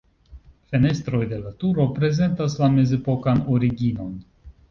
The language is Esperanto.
Fenestroj de la turo prezentas la mezepokan originon.